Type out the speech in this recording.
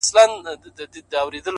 o زه ومه ويده اكثر؛